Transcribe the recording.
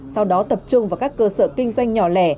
sau đó tập trung vào các cơ sở kinh doanh nhỏ lẻ